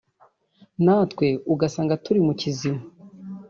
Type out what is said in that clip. natwe ugasanga turi mu kizima